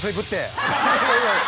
いやいや。